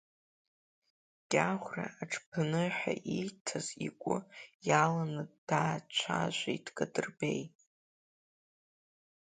Кьаӷәра аҽԥныҳәа ииҭаз игәы иаланы даацәажәеит Кадырбеи.